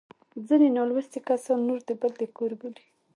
ځیني نالوستي کسان لور د بل د کور بولي